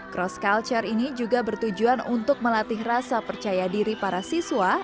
cross culture ini juga bertujuan untuk melatih rasa percaya diri para siswa